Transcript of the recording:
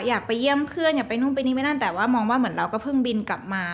อยากไปเยี่ยมเพื่อนอยากไปนู่นไปนี่ไม่นั่นแต่ว่ามองว่าเหมือนเราก็เพิ่งบินกลับมา